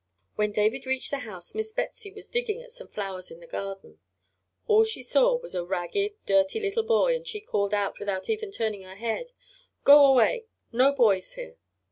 When David reached the house Miss Betsy was digging at some flowers in the garden. All she saw was a ragged, dirty little boy, and she called out, without even turning her head: "Go away; no boys here!"